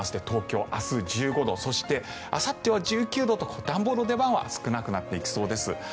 東京、明日１５度そしてあさっては１９度と暖房の出番は少なくなっていきそうです。